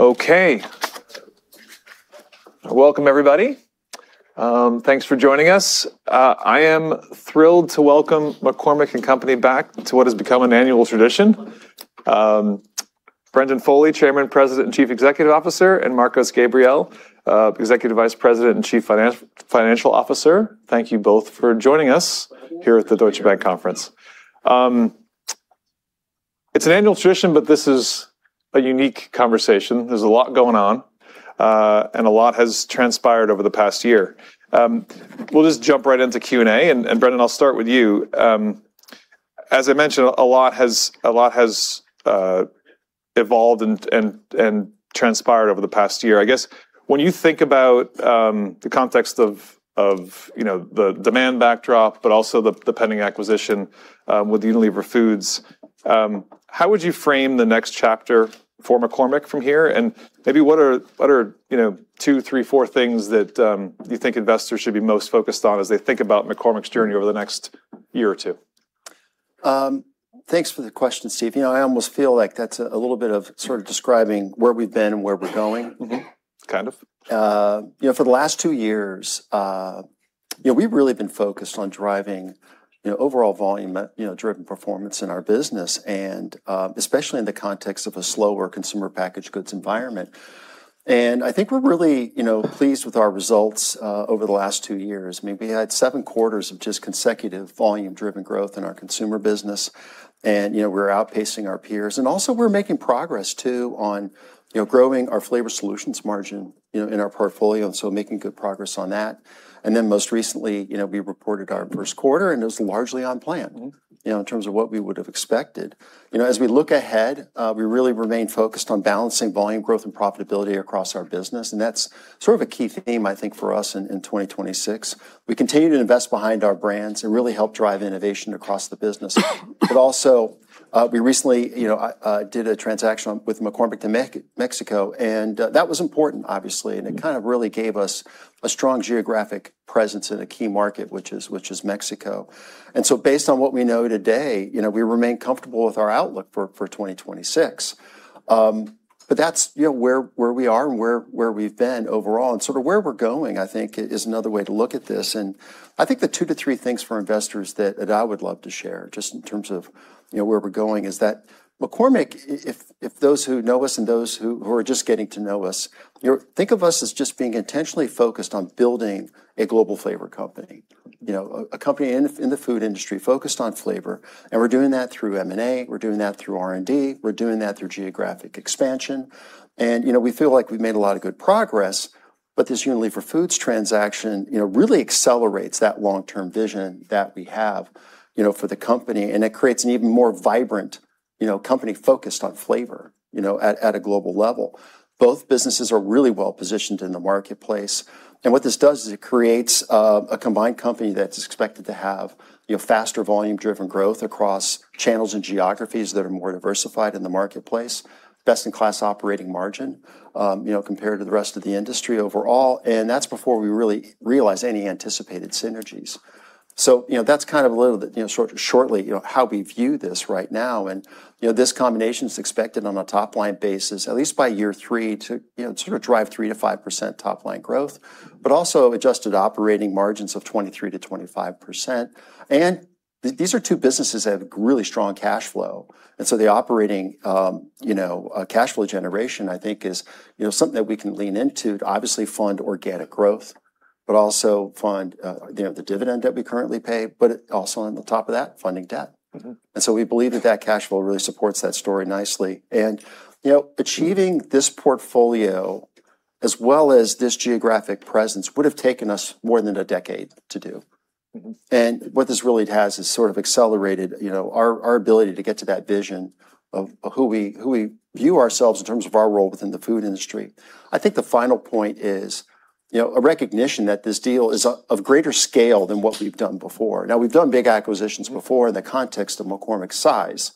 Okay. Welcome everybody. Thanks for joining us. I am thrilled to welcome McCormick & Company back to what has become an annual tradition. Brendan Foley, Chairman, President, and Chief Executive Officer, and Marcos Gabriel, Executive Vice President and Chief Financial Officer. Thank you both for joining us here at the Deutsche Bank Conference. It's an annual tradition, but this is a unique conversation. There's a lot going on, and a lot has transpired over the past year. We'll just jump right into the Q&A. Brendan, I'll start with you. As I mentioned, a lot has evolved and transpired over the past year. I guess, when you think about the context of the demand backdrop, but also the pending acquisition with Unilever Foods, how would you frame the next chapter for McCormick from here? Maybe what are two, three, four things that you think investors should be most focused on as they think about McCormick's journey over the next year or two? Thanks for the question, Steve. I almost feel like that's a little bit of sort of describing where we've been and where we're going. Kind of. For the last two years, we've really been focused on driving overall volume-driven performance in our business, and especially in the context of a slower consumer packaged goods environment. I think we're really pleased with our results over the last two years. We've had seven quarters of just consecutive volume-driven growth in our consumer business, and we're outpacing our peers. Also, we're making progress too on growing our flavor solutions margin in our portfolio, and so making good progress on that. Most recently, we reported our first quarter, and it was largely on plan In terms of what we would've expected. As we look ahead, we really remain focused on balancing volume growth and profitability across our business, and that's sort of a key theme, I think, for us in 2026. We continue to invest behind our brands and really help drive innovation across the business. We recently did a transaction with McCormick de Mexico, and that was important obviously. It kind of really gave us a strong geographic presence in a key market, which is Mexico. Based on what we know today, we remain comfortable with our outlook for 2026. That's where we are and where we've been overall. Sort of where we're going, I think, is another way to look at this. I think the two to three things for investors that I would love to share, just in terms of where we're going, is that McCormick, if those who know us and those who are just getting to know us, think of us as just being intentionally focused on building a global flavor company. A company in the food industry focused on flavor, and we're doing that through M&A, we're doing that through R&D, we're doing that through geographic expansion. We feel like we've made a lot of good progress, but this Unilever Foods transaction really accelerates that long-term vision that we have for the company, and it creates an even more vibrant company focused on flavor at a global level. Both businesses are really well-positioned in the marketplace. What this does is it creates a combined company that's expected to have faster volume-driven growth across channels and geographies that are more diversified in the marketplace, best-in-class operating margin compared to the rest of the industry overall, and that's before we really realize any anticipated synergies. That's kind of a little bit shortly how we view this right now. This combination's expected on a top-line basis, at least by year three, to sort of drive 3%-5% top-line growth, but also adjusted operating margins of 23%-25%. These are two businesses that have really strong cash flow, and so the operating cash flow generation, I think, is something that we can lean into to obviously fund organic growth, but also fund the dividend that we currently pay, but also on the top of that, funding debt. We believe that cash flow really supports that story nicely. Achieving this portfolio as well as this geographic presence would've taken us more than a decade to do. What this really has is sort of accelerated our ability to get to that vision of who we view ourselves in terms of our role within the food industry. I think the final point is a recognition that this deal is of greater scale than what we've done before. We've done big acquisitions before in the context of McCormick's size,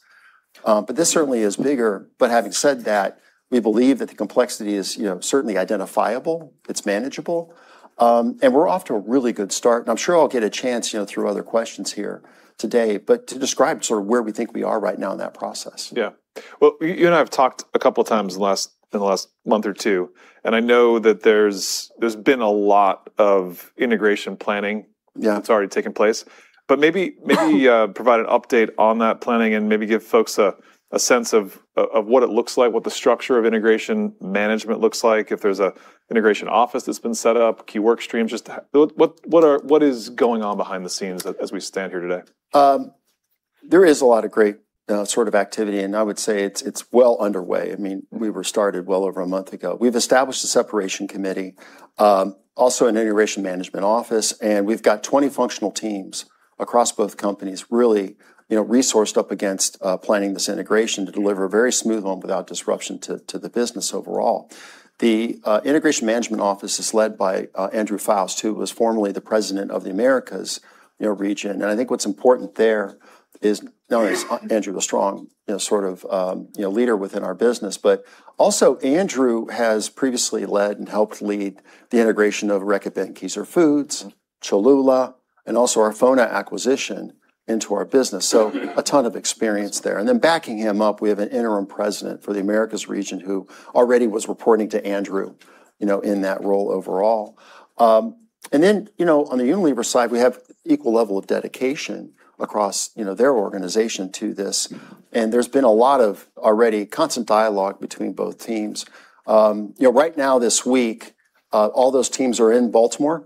but this certainly is bigger. Having said that, we believe that the complexity is certainly identifiable, it's manageable, and we're off to a really good start, and I'm sure I'll get a chance through other questions here today, but to describe sort of where we think we are right now in that process. Yeah. Well, you and I have talked a couple of times in the last month or two. I know that there's been a lot of integration planning. Yeah. That's already taken place. Maybe provide an update on that planning and maybe give folks a sense of what it looks like, what the structure of integration management looks like, if there's an integration office that's been set up, key work streams. Just what is going on behind the scenes as we stand here today? There is a lot of great sort of activity, and I would say it's well underway. We were started well over a month ago. We've established a separation committee, also an integration management office, and we've got 20 functional teams across both companies really resourced up against planning this integration to deliver a very smooth one without disruption to the business overall. The integration management office is led by Andrew Foust, who was formerly the President of the Americas region. I think what's important there is knowing Andrew's a strong sort of leader within our business. Also, Andrew has previously led and helped lead the integration of Reckitt Benckiser Foods, Cholula, and also our FONA acquisition into our business. A ton of experience there. Then backing him up, we have an interim President for the Americas region, who already was reporting to Andrew in that role overall. On the Unilever side, we have equal level of dedication across their organization to this, and there's been a lot of already constant dialogue between both teams. Right now this week, all those teams are in Baltimore.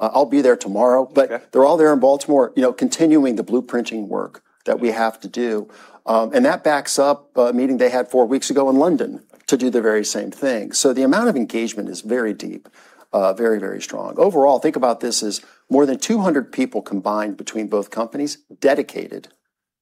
I'll be there tomorrow. Okay. They're all there in Baltimore continuing the blueprinting work that we have to do. That backs up a meeting they had four weeks ago in London to do the very same thing. The amount of engagement is very deep, very strong. Overall, think about this as more than 200 people combined between both companies dedicated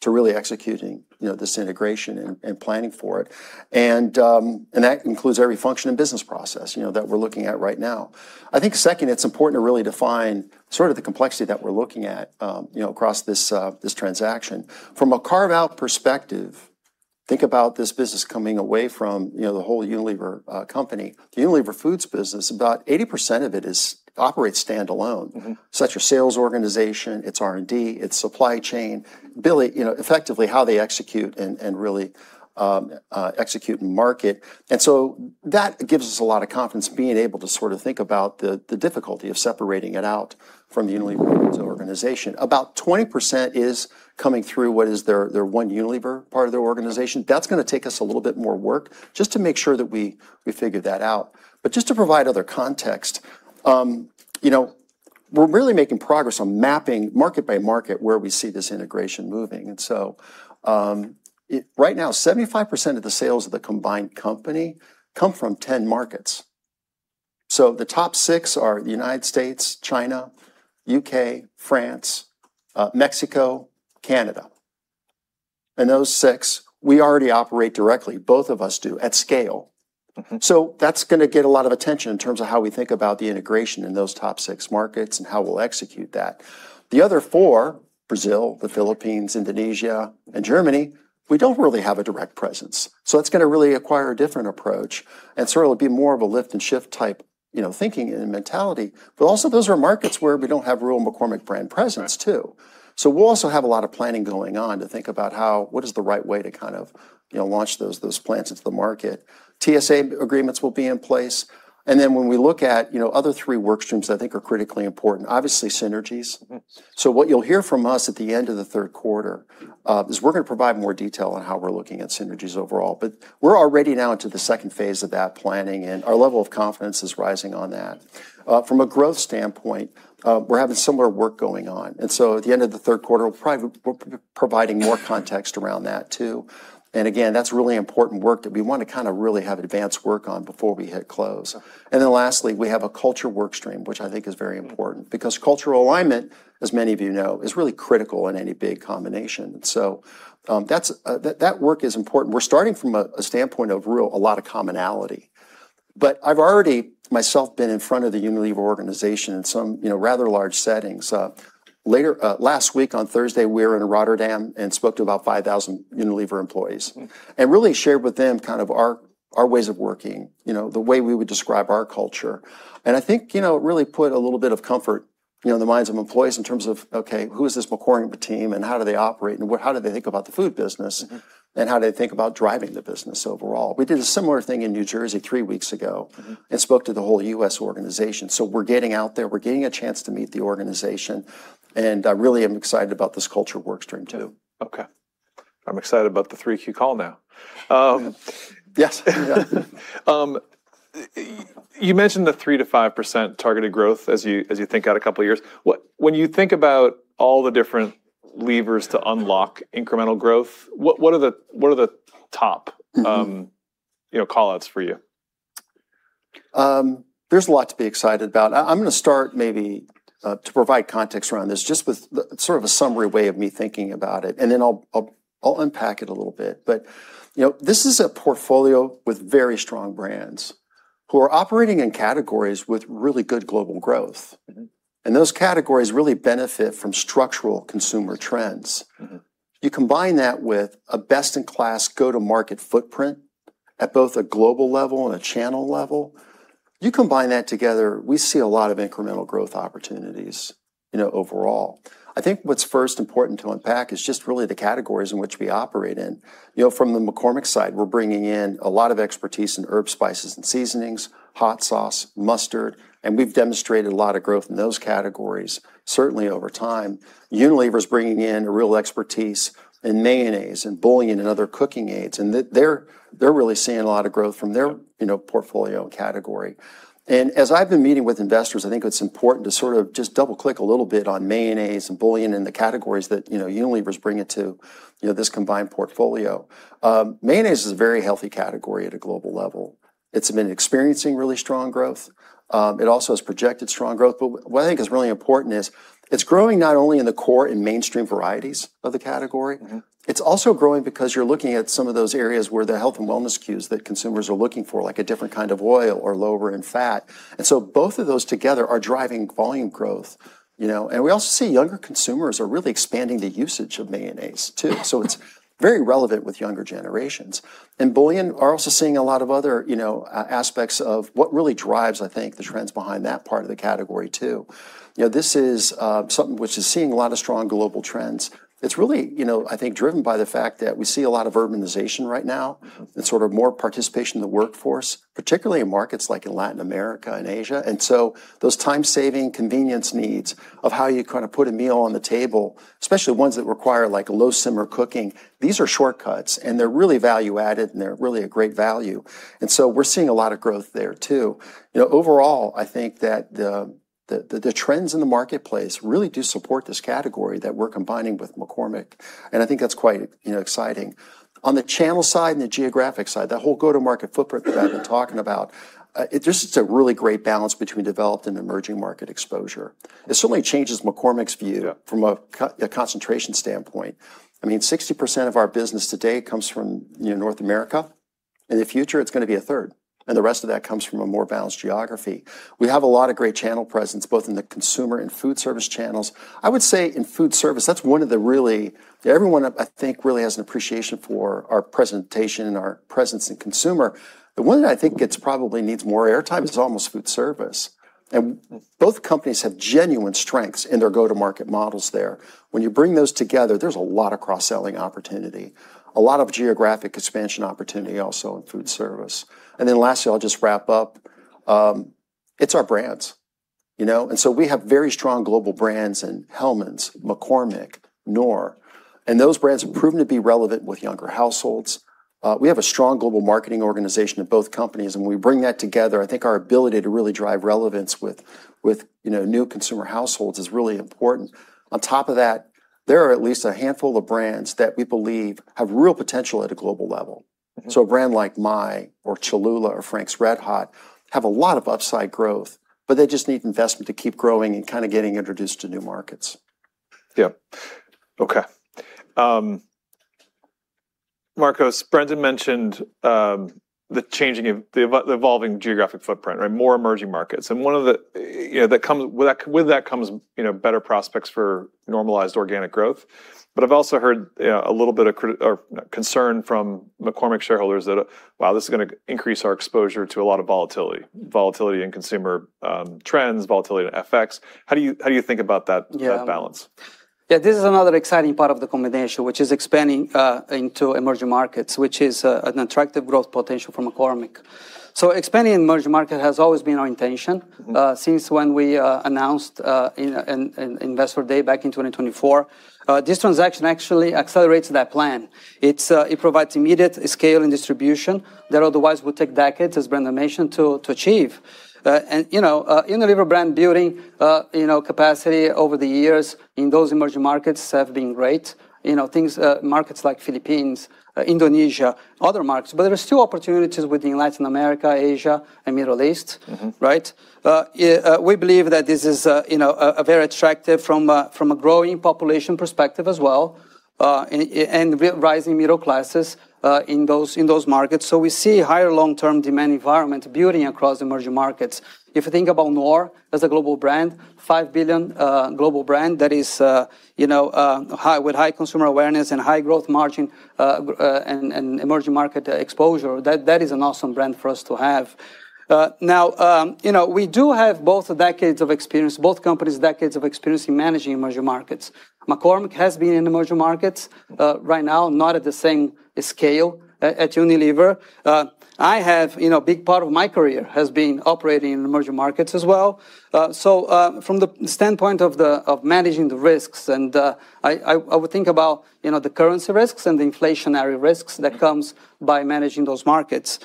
to really executing this integration and planning for it. That includes every function and business process that we're looking at right now. I think second, it's important to really define sort of the complexity that we're looking at, across this transaction. From a carve-out perspective, think about this business coming away from the whole Unilever company. The Unilever Foods business, about 80% of it operates standalone. That's your sales organization, its R&D, its supply chain, effectively how they execute and really execute and market. That gives us a lot of confidence being able to sort of think about the difficulty of separating it out from the Unilever Foods organization. About 20% is coming through what is their One Unilever part of their organization. That's going to take us a little bit more work just to make sure that we figure that out. Just to provide other context, we're really making progress on mapping market by market where we see this integration moving. Right now, 75% of the sales of the combined company come from 10 markets. The top six are the United States, China, U.K., France, Mexico, Canada. Those six, we already operate directly, both of us do, at scale. That's going to get a lot of attention in terms of how we think about the integration in those top six markets and how we'll execute that. The other four, Brazil, the Philippines, Indonesia, and Germany, we don't really have a direct presence. That's going to really acquire a different approach and sort of be more of a lift-and-shift type thinking and mentality. Also, those are markets where we don't have real McCormick brand presence, too. We'll also have a lot of planning going on to think about what is the right way to kind of launch those plants into the market. TSA agreements will be in place, and then when we look at other three work streams I think are critically important, obviously synergies. What you'll hear from us at the end of the third quarter, is we're going to provide more detail on how we're looking at synergies overall. We're already now into the second phase of that planning, and our level of confidence is rising on that. From a growth standpoint, we're having similar work going on. At the end of the third quarter, we'll be providing more context around that, too. Again, that's really important work that we want to kind of really have advanced work on before we hit close. Yeah. Lastly, we have a culture work stream, which I think is very important because cultural alignment, as many of you know, is really critical in any big combination. That work is important. We're starting from a standpoint of a lot of commonality. I've already myself been in front of the Unilever organization in some rather large settings. Last week on Thursday, we were in Rotterdam and spoke to about 5,000 Unilever employees. Really shared with them kind of our ways of working, the way we would describe our culture. I think it really put a little bit of comfort in the minds of employees in terms of, okay, who is this McCormick team and how do they operate, and how do they think about the food business. How do they think about driving the business overall? We did a similar thing in New Jersey three weeks ago. Spoke to the whole U.S. organization. We're getting out there, we're getting a chance to meet the organization, and I really am excited about this culture work stream, too. Okay. I'm excited about the 3Q call now. Yes. You mentioned the 3%-5% targeted growth as you think out a couple of years. When you think about all the different levers to unlock incremental growth, what are the top call-outs for you? There's a lot to be excited about. I'm going to start maybe to provide context around this, just with sort of a summary way of me thinking about it, and then I'll unpack it a little bit. This is a portfolio with very strong brands who are operating in categories with really good global growth. Those categories really benefit from structural consumer trends. You combine that with a best-in-class go-to-market footprint at both a global level and a channel level, you combine that together, we see a lot of incremental growth opportunities overall. I think what's first important to unpack is just really the categories in which we operate in. From the McCormick side, we're bringing in a lot of expertise in herb, spices, and seasonings, hot sauce, mustard, and we've demonstrated a lot of growth in those categories, certainly over time. Unilever's bringing in a real expertise in mayonnaise and bouillon and other cooking aids, and they're really seeing a lot of growth from their portfolio and category. As I've been meeting with investors, I think it's important to sort of just double-click a little bit on mayonnaise and bouillon and the categories that Unilever's bringing to this combined portfolio. Mayonnaise is a very healthy category at a global level. It's been experiencing really strong growth. It also has projected strong growth. What I think is really important is it's growing not only in the core and mainstream varieties of the category. It's also growing because you're looking at some of those areas where the health and wellness cues that consumers are looking for, like a different kind of oil or lower in fat. Both of those together are driving volume growth. We also see younger consumers are really expanding the usage of mayonnaise, too. It's very relevant with younger generations. Bouillon, are also seeing a lot of other aspects of what really drives, I think, the trends behind that part of the category, too. This is something which is seeing a lot of strong global trends. It's really, I think, driven by the fact that we see a lot of urbanization right now. Sort of more participation in the workforce, particularly in markets like in Latin America and Asia. Those time-saving convenience needs of how you kind of put a meal on the table, especially ones that require low simmer cooking, these are shortcuts, and they're really value-added, and they're really a great value. We're seeing a lot of growth there, too. Overall, I think that the trends in the marketplace really do support this category that we're combining with McCormick, and I think that's quite exciting. On the channel side and the geographic side, that whole go-to-market footprint that I've been talking about, it just is a really great balance between developed and emerging market exposure. It certainly changes McCormick's view from a concentration standpoint. 60% of our business today comes from North America. In the future, it's going to be a third, and the rest of that comes from a more balanced geography. We have a lot of great channel presence, both in the consumer and food service channels. I would say in food service, everyone, I think, really has an appreciation for our presentation and our presence in consumer. The one that I think probably needs more airtime is almost food service. Both companies have genuine strengths in their go-to-market models there. When you bring those together, there's a lot of cross-selling opportunity, a lot of geographic expansion opportunity also in food service. Lastly, I'll just wrap up. It's our brands. We have very strong global brands in Hellmann's, McCormick, Knorr, and those brands have proven to be relevant with younger households. We have a strong global marketing organization in both companies, and when we bring that together, I think our ability to really drive relevance with new consumer households is really important. On top of that, there are at least a handful of brands that we believe have real potential at a global level. A brand like Maille or Cholula or Frank's RedHot have a lot of upside growth, but they just need investment to keep growing and kind of getting introduced to new markets. Yeah. Okay. Marcos, Brendan mentioned the evolving geographic footprint, more emerging markets. With that comes better prospects for normalized organic growth. I've also heard a little bit of concern from McCormick shareholders that, wow, this is going to increase our exposure to a lot of volatility. Volatility in consumer trends, volatility in FX. How do you think about that balance? This is another exciting part of the combination, which is expanding into emerging markets, which is an attractive growth potential for McCormick. Expanding in emerging market has always been our intention since when we announced Investor Day back in 2024. This transaction actually accelerates that plan. It provides immediate scale and distribution that otherwise would take decades as brand [animation] to achieve. Unilever brand building capacity over the years in those emerging markets have been great. Markets like Philippines, Indonesia, other markets, but there are still opportunities within Latin America, Asia, and Middle East. We believe that this is very attractive from a growing population perspective as well, and rising middle classes in those markets. We see higher long-term demand environment building across emerging markets. If you think about Knorr as a global brand, $5 billion global brand with high consumer awareness and high growth margin, and emerging market exposure, that is an awesome brand for us to have. Now, we do have both decades of experience both companies, decades of experience in managing emerging markets. McCormick has been in emerging markets. Right now, not at the same scale as Unilever. A big part of my career has been operating in emerging markets as well. From the standpoint of managing the risks, and I would think about the currency risks and the inflationary risks that comes by managing those markets.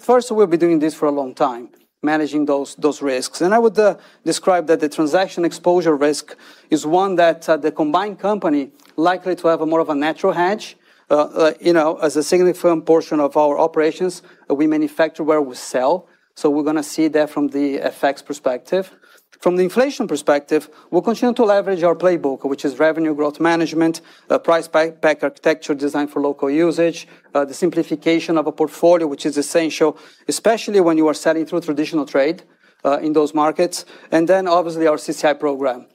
First, we'll be doing this for a long time, managing those risks. I would describe that the transaction exposure risk is one that the combined company likely to have a more of a natural hedge. As a significant portion of our operations, we manufacture where we sell, so we're going to see that from the FX perspective. From the inflation perspective, we'll continue to leverage our playbook, which is revenue growth management, price pack architecture designed for local usage, the simplification of a portfolio, which is essential, especially when you are selling through traditional trade in those markets. Then obviously our CCI program.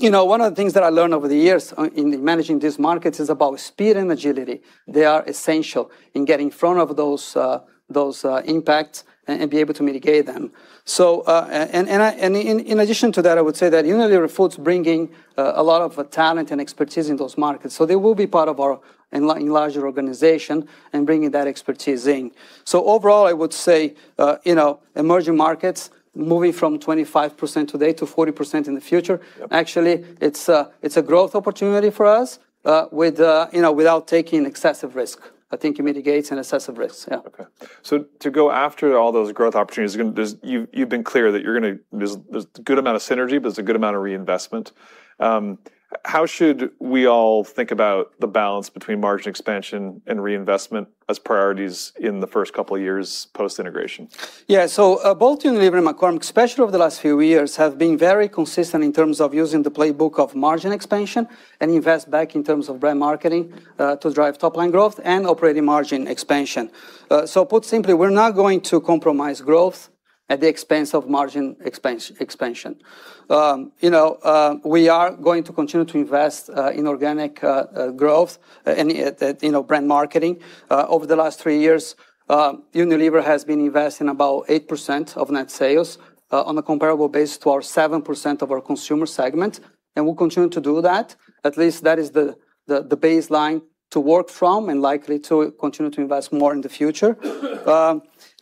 One of the things that I learned over the years in managing these markets is about speed and agility. They are essential in getting in front of those impacts and be able to mitigate them. In addition to that, I would say that Unilever Foods bringing a lot of talent and expertise in those markets. They will be part of our larger organization and bringing that expertise in. Overall, I would say, emerging markets moving from 25% today to 40% in the future. Yep. Actually, it's a growth opportunity for us without taking excessive risk. I think it mitigates an excessive risk. Yeah. Okay. To go after all those growth opportunities, you've been clear that there's a good amount of synergy, but there's a good amount of reinvestment. How should we all think about the balance between margin expansion and reinvestment as priorities in the first couple of years post-integration? Both Unilever and McCormick, especially over the last few years, have been very consistent in terms of using the playbook of margin expansion and invest back in terms of brand marketing to drive top-line growth and operating margin expansion. Put simply, we're not going to compromise growth at the expense of margin expansion. We are going to continue to invest in organic growth and brand marketing. Over the last three years, Unilever has been investing about 8% of net sales on a comparable basis to our 7% of our consumer segment, and we'll continue to do that. At least that is the baseline to work from and likely to continue to invest more in the future.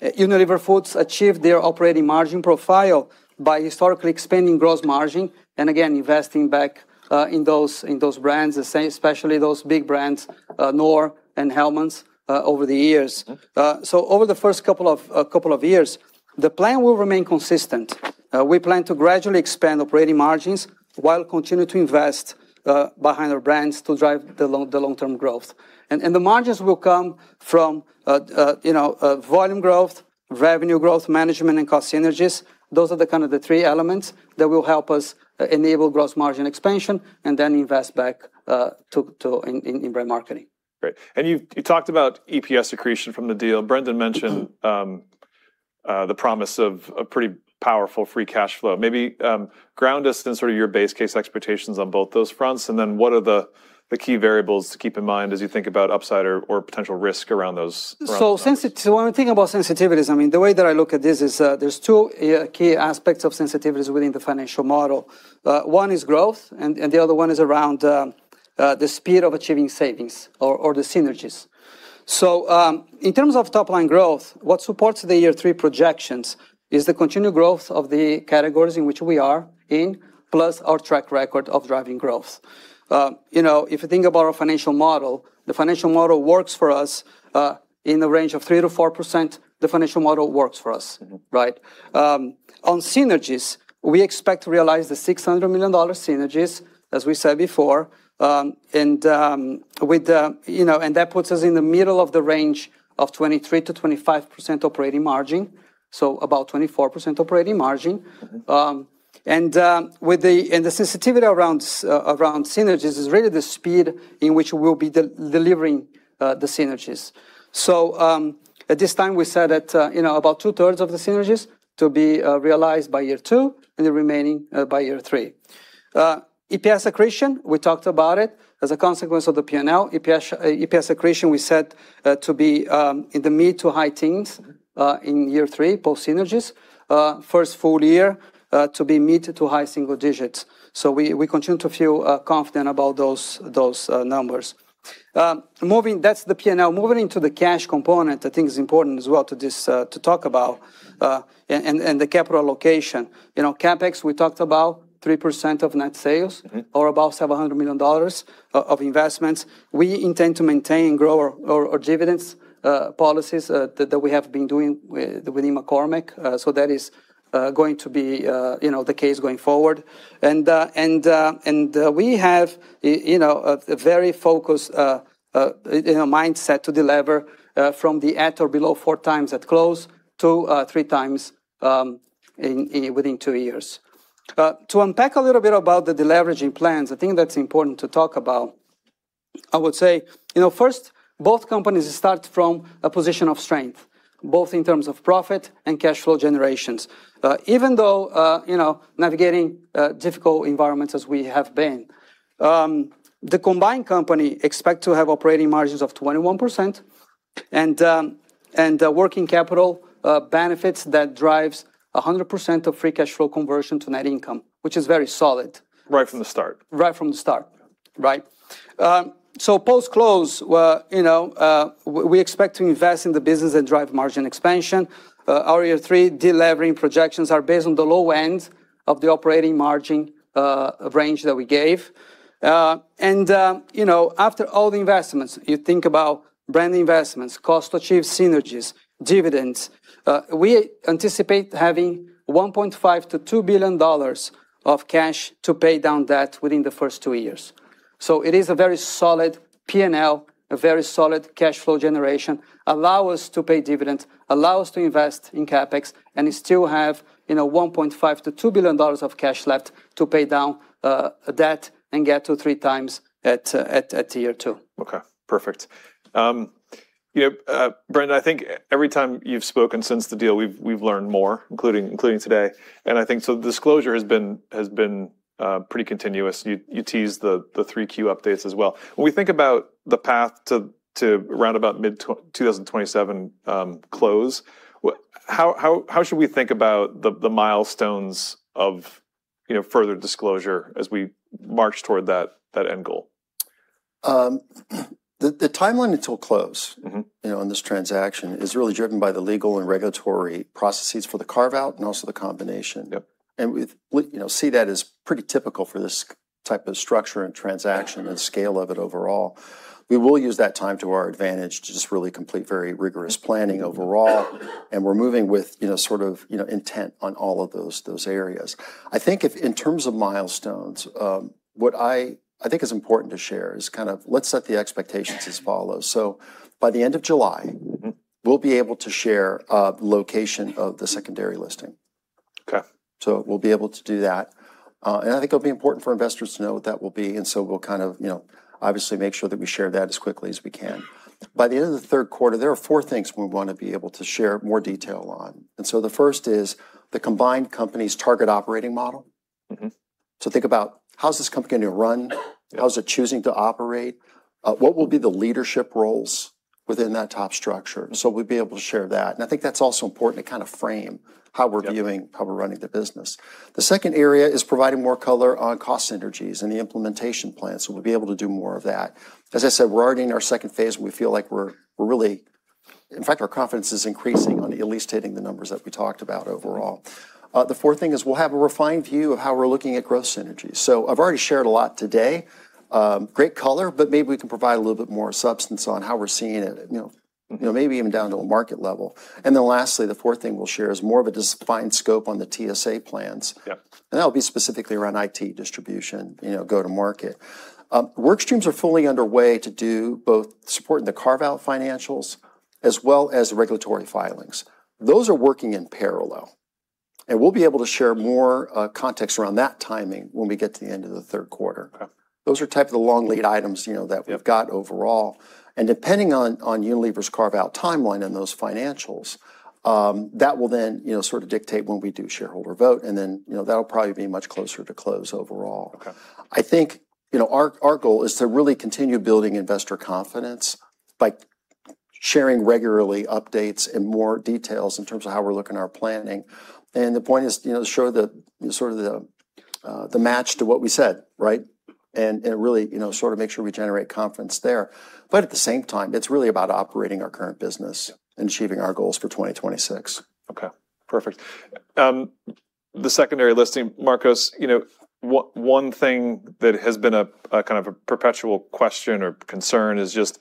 Unilever Foods achieved their operating margin profile by historically expanding gross margin and again, investing back in those brands, especially those big brands, Knorr and Hellmann's, over the years. Okay. Over the first couple of years, the plan will remain consistent. We plan to gradually expand operating margins while continuing to invest behind our brands to drive the long-term growth. The margins will come from volume growth, revenue growth management, and cost synergies. Those are the kind of the three elements that will help us enable gross margin expansion and then invest back in brand marketing. Great. You talked about EPS accretion from the deal. Brendan mentioned the promise of a pretty powerful free cash flow. Maybe ground us in sort of your base case expectations on both those fronts, and then what are the key variables to keep in mind as you think about upside or potential risk around those fronts? When we think about sensitivities, the way that I look at this is there is two key aspects of sensitivities within the financial model. One is growth, and the other one is around the speed of achieving savings or the synergies. In terms of top-line growth, what supports the year three projections is the continued growth of the categories in which we are in, plus our track record of driving growth. If you think about our financial model, the financial model works for us in the range of 3%-4% the financial model work for us. Right. On synergies, we expect to realize the $600 million synergies, as we said before. That puts us in the middle of the range of 23%-25% operating margin, so about 24% operating margin. Okay. The sensitivity around synergies is really the speed in which we'll be delivering the synergies. At this time, we said that about 2/3 of the synergies to be realized by year two and the remaining by year three. EPS accretion, we talked about it as a consequence of the P&L. EPS accretion we said to be in the mid to high teens in year three, post synergies. First full year to be mid to high single digits. We continue to feel confident about those numbers. That's the P&L. Moving into the cash component, I think is important as well to talk about, and the capital allocation. CAPEX, we talked about 3% of net sales or above $700 million of investments. We intend to maintain and grow our dividends policies that we have been doing within McCormick. That is going to be the case going forward. We have a very focused mindset to delever from the at or below 4x at close to 3x within two years. To unpack a little bit about the deleveraging plans, I think that's important to talk about. I would say, first, both companies start from a position of strength, both in terms of profit and cash flow generations, even though navigating difficult environments as we have been. The combined company expect to have operating margins of 21% and working capital benefits that drives 100% of free cash flow conversion to net income, which is very solid. Right from the start. Right from the start. Yeah. Right. Post-close, we expect to invest in the business and drive margin expansion. Our year three delevering projections are based on the low end of the operating margin range that we gave. After all the investments, you think about brand investments, cost to achieve synergies, dividends, we anticipate having $1.5 billion-$2 billion of cash to pay down debt within the first two years. It is a very solid P&L, a very solid cash flow generation, allow us to pay dividends, allow us to invest in CAPEX, and we still have $1.5 billion-$2 billion of cash left to pay down debt and get to 3x at year two. Okay, perfect. Brendan, I think every time you've spoken since the deal, we've learned more, including today. I think the disclosure has been pretty continuous. You teased the 3Q updates as well. When we think about the path to roundabout mid-2027 close, how should we think about the milestones of further disclosure as we march toward that end goal? The timeline until close on this transaction is really driven by the legal and regulatory processes for the carve-out and also the combination. Yep. We see that as pretty typical for this type of structure and transaction and scale of it overall. We will use that time to our advantage to just really complete very rigorous planning overall, and we're moving with intent on all of those areas. I think in terms of milestones, what I think is important to share is kind of let's set the expectations as follows. By the end of July we'll be able to share a location of the secondary listing. Okay. We'll be able to do that. I think it'll be important for investors to know what that will be, and so we'll obviously make sure that we share that as quickly as we can. By the end of the third quarter, there are four things we want to be able to share more detail on. The first is the combined company's target operating model. Hmm-mm. Think about how's this company going to run? How's it choosing to operate? What will be the leadership roles within that top structure? We'll be able to share that, and I think that's also important to frame how we're viewing how we're running the business. The second area is providing more color on cost synergies and the implementation plan, so we'll be able to do more of that. As I said, we're already in our second phase, and we feel like our confidence is increasing on at least hitting the numbers that we talked about overall. The fourth thing is we'll have a refined view of how we're looking at growth synergies. I've already shared a lot today. Great color, but maybe we can provide a little bit more substance on how we're seeing it, maybe even down to a market level. Then lastly, the fourth thing we'll share is more of a defined scope on the TSA plans. Yep. That'll be specifically around IT distribution, go to market. Work streams are fully underway to do both supporting the carve-out financials as well as the regulatory filings. Those are working in parallel. We'll be able to share more context around that timing when we get to the end of the third quarter. Okay. Those are type of the long lead items that we've got overall. Depending on Unilever's carve-out timeline and those financials, that will then sort of dictate when we do shareholder vote, and then that'll probably be much closer to close overall. Okay. I think our goal is to really continue building investor confidence by sharing regularly updates and more details in terms of how we're looking at our planning. The point is to show the sort of the match to what we said, right? Really sort of make sure we generate confidence there. At the same time, it's really about operating our current business and achieving our goals for 2026. Okay, perfect. The secondary listing, Marcos, one thing that has been a kind of a perpetual question or concern is just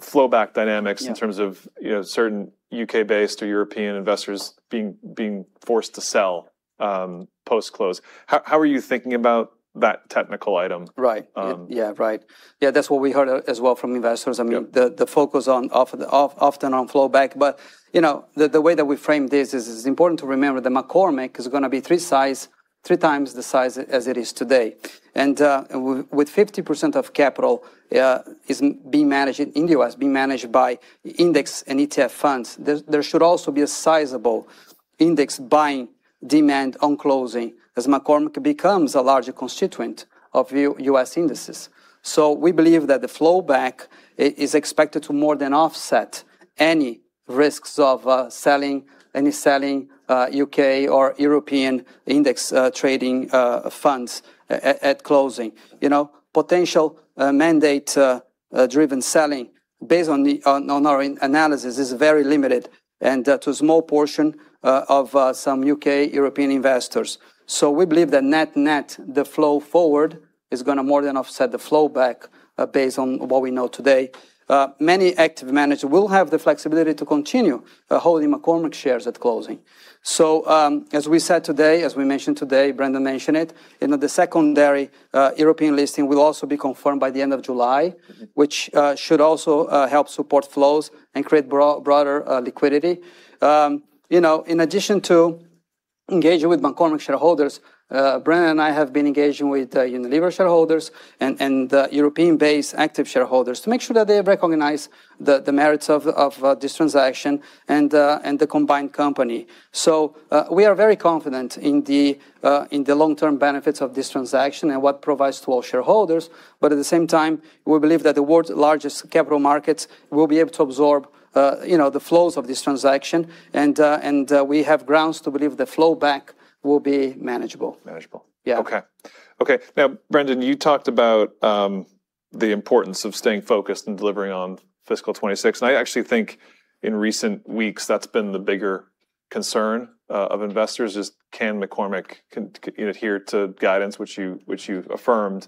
flow back dynamics. Yeah. In terms of certain U.K.-based or European investors being forced to sell post-close, how are you thinking about that technical item? Right. Yeah, right. Yeah, that's what we heard as well from investors. Yeah. I mean, the focus often on flow back. The way that we frame this is it's important to remember that McCormick is going to be three times the size as it is today. With 50% of capital is being managed in U.S., being managed by index and ETF funds, there should also be a sizable index buying demand on closing as McCormick becomes a larger constituent of U.S. indices. We believe that the flow back is expected to more than offset any risks of any selling U.K. or European index trading funds at closing. Potential mandate-driven selling based on our analysis is very limited and to a small portion of some U.K. European investors. We believe that net net, the flow forward is going to more than offset the flow back, based on what we know today. Many active managers will have the flexibility to continue holding McCormick shares at closing. As we said today, as we mentioned today, Brendan mentioned it, the secondary European listing will also be confirmed by the end of July. Which should also help support flows and create broader liquidity. In addition to engaging with McCormick shareholders, Brendan and I have been engaging with Unilever shareholders and European-based active shareholders to make sure that they recognize the merits of this transaction and the combined company. We are very confident in the long-term benefits of this transaction and what provides to all shareholders. At the same time, we believe that the world's largest capital markets will be able to absorb the flows of this transaction, and we have grounds to believe the flow back will be manageable. Manageable. Yeah. Okay. Brendan, you talked about the importance of staying focused and delivering on fiscal 2026. I actually think in recent weeks that's been the bigger concern of investors is can McCormick adhere to guidance which you've affirmed?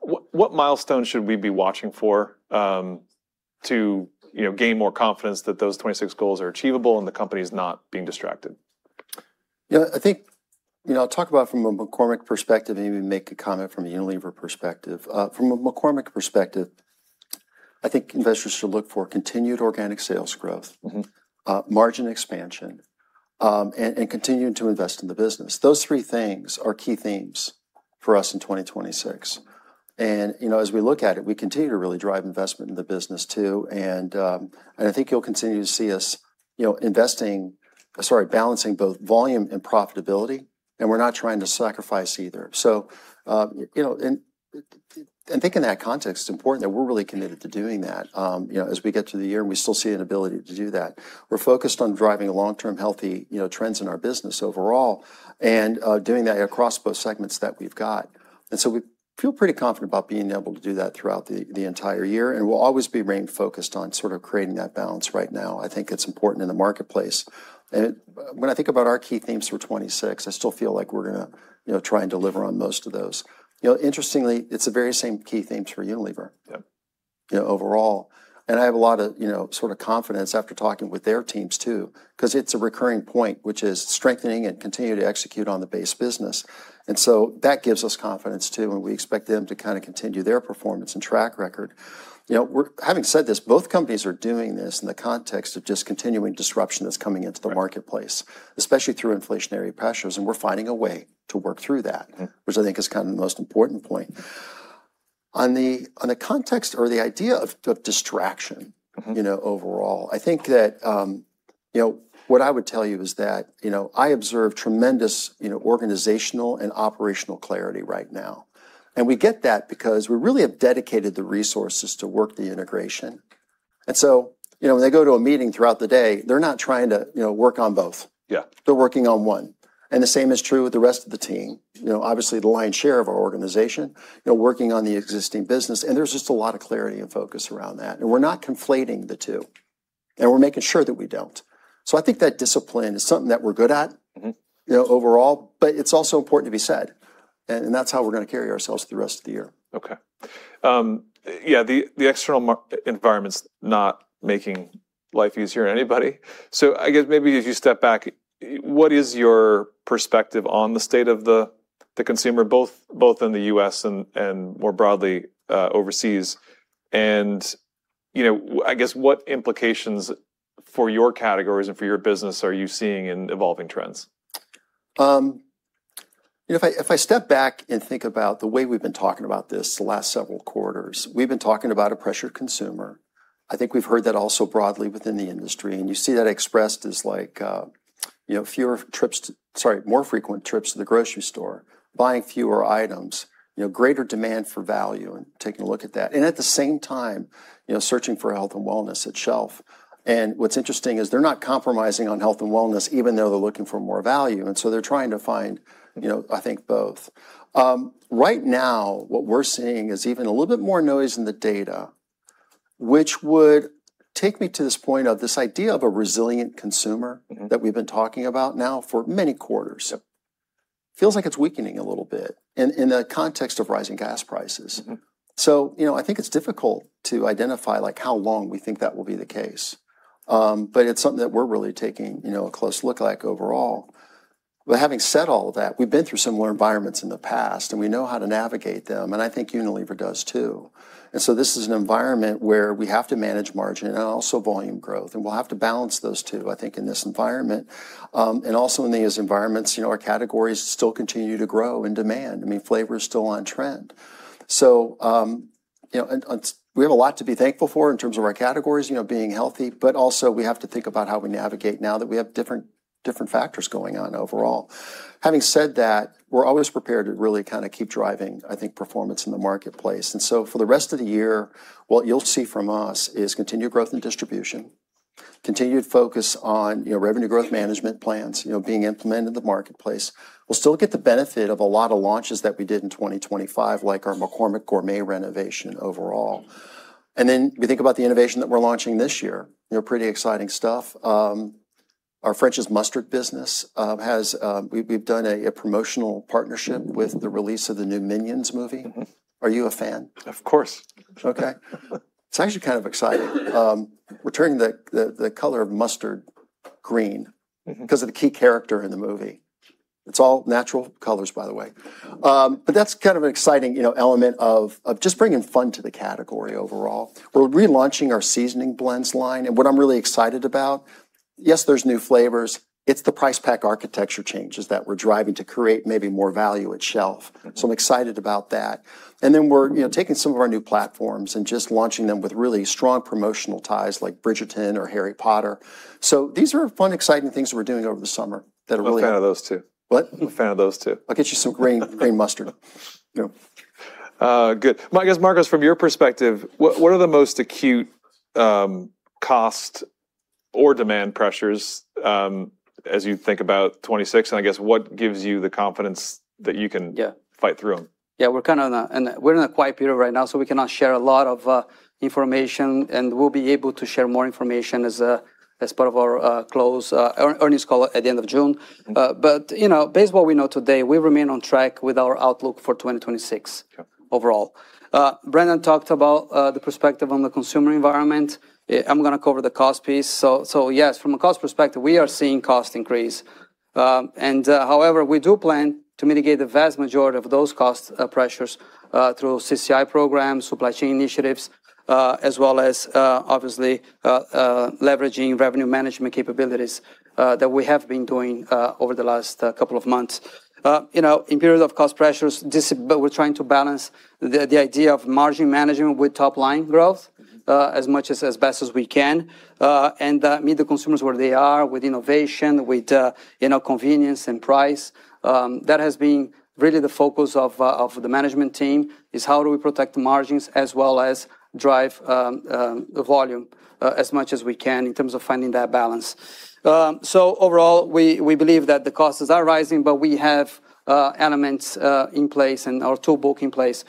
What milestones should we be watching for to gain more confidence that those 2026 goals are achievable and the company's not being distracted? Yeah, I think, I'll talk about from a McCormick perspective and even make a comment from a Unilever perspective. From a McCormick perspective, I think investors should look for continued organic sales growth margin expansion, continuing to invest in the business. Those three things are key themes for us in 2026. As we look at it, we continue to really drive investment in the business too, I think you'll continue to see us investing, sorry, balancing both volume and profitability, and we're not trying to sacrifice either. I think in that context, it's important that we're really committed to doing that. As we get through the year, we still see an ability to do that. We're focused on driving long-term healthy trends in our business overall and doing that across both segments that we've got. We feel pretty confident about being able to do that throughout the entire year, and we'll always be remaining focused on sort of creating that balance right now. I think it's important in the marketplace. When I think about our key themes for 2026, I still feel like we're going to try and deliver on most of those. Interestingly, it's the very same key themes for Unilever. Yep. Overall, I have a lot of confidence after talking with their teams, too, because it's a recurring point, which is strengthening and continuing to execute on the base business. That gives us confidence, too, and we expect them to continue their performance and track record. Having said this, both companies are doing this in the context of just continuing disruption that's coming into the marketplace especially through inflationary pressures, and we're finding a way to work through that which I think is kind of the most important point. On the context or the idea of distraction. Overall, I think that what I would tell you is that I observe tremendous organizational and operational clarity right now. We get that because we really have dedicated the resources to work the integration. When they go to a meeting throughout the day, they're not trying to work on both. Yeah. They're working on one. The same is true with the rest of the team. Obviously, the lion's share of our organization, working on the existing business, and there's just a lot of clarity and focus around that. We're not conflating the two, and we're making sure that we don't. I think that discipline is something that we're good at overall, but it's also important to be said. That's how we're going to carry ourselves through the rest of the year. Okay. Yeah, the external environment's not making life easier on anybody. I guess, maybe if you step back, what is your perspective on the state of the consumer, both in the U.S. and more broadly, overseas? I guess what implications for your categories and for your business are you seeing in evolving trends? If I step back and think about the way we've been talking about this the last several quarters, we've been talking about a pressured consumer. You see that expressed as more frequent trips to the grocery store, buying fewer items, greater demand for value, and taking a look at that. At the same time, searching for health and wellness at shelf. What's interesting is they're not compromising on health and wellness, even though they're looking for more value, they're trying to find both. Right now, what we're seeing is even a little bit more noise in the data, which would take me to this point of this idea of a resilient consumer that we've been talking about now for many quarters. Feels like it's weakening a little bit in the context of rising gas prices. I think it's difficult to identify how long we think that will be the case. It's something that we're really taking a close look at overall. Having said all of that, we've been through similar environments in the past, and we know how to navigate them, and I think Unilever does, too. This is an environment where we have to manage margin and also volume growth, and we'll have to balance those two, I think, in this environment. Also, in these environments, our categories still continue to grow in demand. I mean, flavor's still on trend. We have a lot to be thankful for in terms of our categories being healthy. Also, we have to think about how we navigate now that we have different factors going on overall. Having said that, we're always prepared to really kind of keep driving, I think, performance in the marketplace. For the rest of the year, what you'll see from us is continued growth in distribution, continued focus on revenue growth management plans being implemented in the marketplace. We'll still get the benefit of a lot of launches that we did in 2025, like our McCormick Gourmet renovation overall. Then we think about the innovation that we're launching this year, pretty exciting stuff. Our French's Mustard business, we've done a promotional partnership with the release of the new Minions movie. Are you a fan? Of course. Okay. It's actually kind of exciting. We're turning the color of mustard green because of the key character in the movie. It's all natural colors, by the way. That's kind of an exciting element of just bringing fun to the category overall. We're relaunching our Seasoning Blends line, and what I'm really excited about, yes, there's new flavors, it's the price pack architecture changes that we're driving to create maybe more value at shelf. I'm excited about that. We're taking some of our new platforms and just launching them with really strong promotional ties, like Bridgerton or Harry Potter. These are fun, exciting things that we're doing over the summer. I'm a fan of those two. What? I'm a fan of those two. I'll get you some green mustard. Good. I guess, Marcos, from your perspective, what are the most acute cost or demand pressures as you think about 2026, and I guess what gives you the confidence that you can? Yeah. Fight through them? Yeah, we're in a quiet period right now, so we cannot share a lot of information, and we'll be able to share more information as part of our close earnings call at the end of June. Okay. Based on what we know today, we remain on track with our outlook for 2026. Sure. Overall, Brendan talked about the perspective on the consumer environment. I'm going to cover the cost piece. Yes, from a cost perspective, we are seeing cost increase. We do plan to mitigate the vast majority of those cost pressures through CCI programs, supply chain initiatives, as well as, obviously, leveraging revenue management capabilities that we have been doing over the last couple of months. In periods of cost pressures, we're trying to balance the idea of margin management with top-line growth as much as best as we can. Meet the consumers where they are with innovation, with convenience and price. That has been really the focus of the management team, is how do we protect the margins as well as drive the volume as much as we can in terms of finding that balance. Overall, we believe that the costs are rising, but we have elements in place and our toolbox in place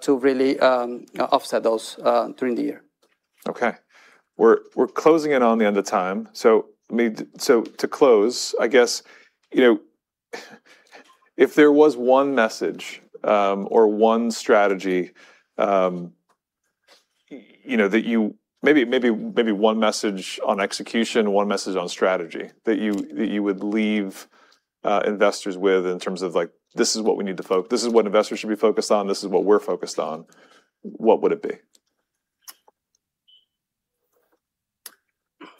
to really offset those during the year Okay. We're closing in on the end of time. To close, I guess if there was one message or one strategy, maybe one message on execution, one message on strategy that you would leave investors with in terms of this is what investors should be focused on, this is what we're focused on, what would it be?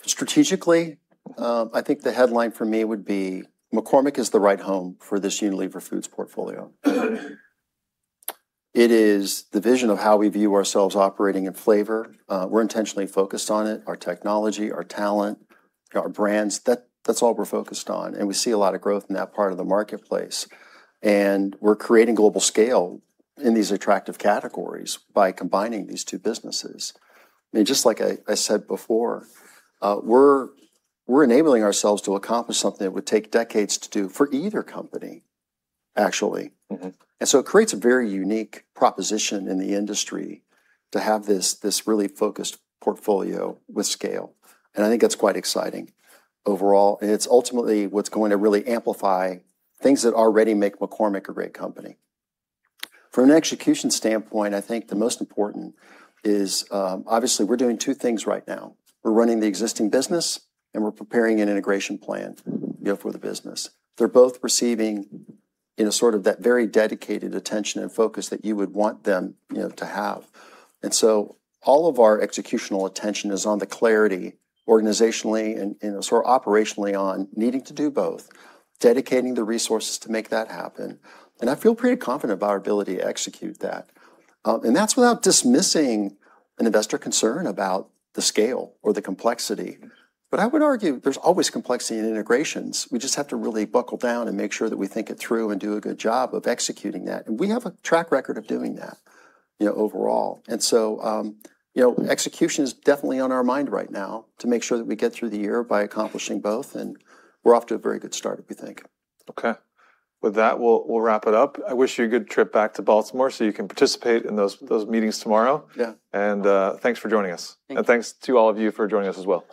Strategically, I think the headline for me would be McCormick is the right home for this Unilever Foods portfolio. It is the vision of how we view ourselves operating in flavor. We're intentionally focused on it, our technology, our talent, our brands. That's all we're focused on. We see a lot of growth in that part of the marketplace. We're creating global scale in these attractive categories by combining these two businesses. Just like I said before, we're enabling ourselves to accomplish something that would take decades to do for either company, actually. It creates a very unique proposition in the industry to have this really focused portfolio with scale, and I think that's quite exciting overall, and it's ultimately what's going to really amplify things that already make McCormick a great company. From an execution standpoint, I think the most important is, obviously, we're doing two things right now. We're running the existing business, and we're preparing an integration plan for the business. They're both receiving that very dedicated attention and focus that you would want them to have. All of our executional attention is on the clarity, organizationally and operationally on needing to do both, dedicating the resources to make that happen. I feel pretty confident about our ability to execute that. That's without dismissing an investor concern about the scale or the complexity. I would argue there's always complexity in integrations. We just have to really buckle down and make sure that we think it through and do a good job of executing that. We have a track record of doing that overall. Execution is definitely on our mind right now to make sure that we get through the year by accomplishing both, and we're off to a very good start, we think. Okay. With that, we'll wrap it up. I wish you a good trip back to Baltimore so you can participate in those meetings tomorrow. Yeah. Thanks for joining us. Thank you. Thanks to all of you for joining us as well.